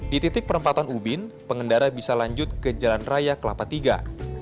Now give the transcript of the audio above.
di titik perempatan ubin pengendara bisa lanjut ke jalan raya kelapa iii